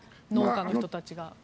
農家の人たちが。